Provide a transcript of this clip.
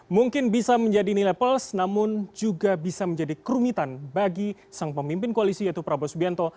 mungkin bisa menjadi nilai plus namun juga bisa menjadi kerumitan bagi sang pemimpin koalisi yaitu prabowo subianto